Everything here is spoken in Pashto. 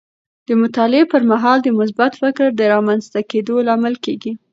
د مطالعې پر مهال د مثبت فکر د رامنځته کیدو لامل کیږي.